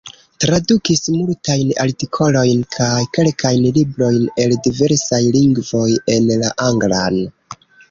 Tradukis multajn artikolojn kaj kelkajn librojn el diversaj lingvoj en la anglan.